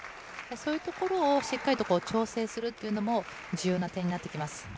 そういうところをしっかりと調整するっていうのも、重要な点になってきます。